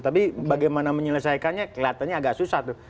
tapi bagaimana menyelesaikannya kelihatannya agak susah tuh